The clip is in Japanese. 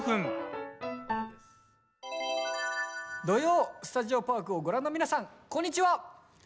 「土曜スタジオパーク」をご覧の皆さん、こんにちは。